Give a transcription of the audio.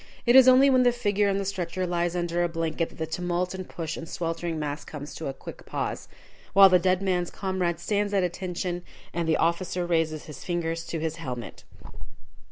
It is only when the figure on the stretcher lies under a blanket that the tumult and push and sweltering mass comes to a quick pause, while the dead man's comrade stands at attention, and the officer raises his fingers to his helmet.